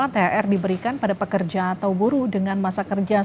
thr diberikan pada pekerja atau buruh dengan masa kerja